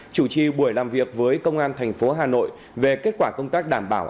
chủ trì buổi làm việc với công an tp hà nội về kết quả công tác đảm bảo